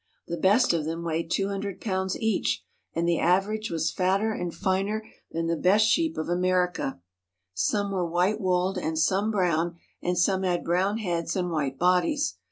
The best of them weighed two hundred pounds each, and the average was fatter and finer than the best sheep of America. Some were white wooled and some brown, and some had brown heads and white bodies.